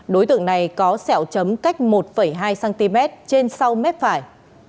đối tượng này có sẹo chấm cách một hai cm trên sau mép phải